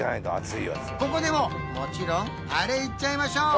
ここでももちろんあれいっちゃいましょう！